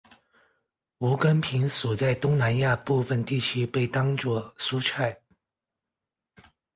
无根萍属在东南亚部份地区被当作蔬菜。